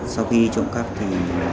sau khi trộm cắp thì